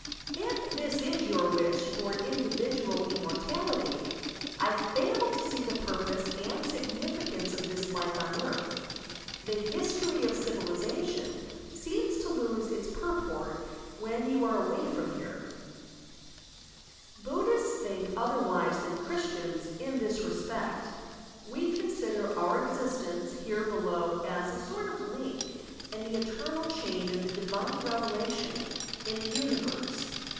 If this is yotu wish for individttal immcK' tality, I fail to see the purpose and significance of this life on earth. The history of civilization seems to lose its purport when you are away from here. Digitized by Google 6o SERMONS OP A BUDDHIST ABBOT Buddhists think otherwise than Christians in this respect. We consider otir existence here below as a sort of link in the eternal chain of the divine revelation in the tiniverse.